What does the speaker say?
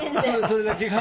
それだけが。